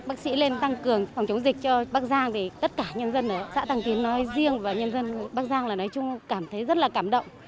bác sĩ lên tăng cường phòng chống dịch cho bắc giang thì tất cả nhân dân ở xã tăng tín nói riêng và nhân dân bắc giang là nói chung cảm thấy rất là cảm động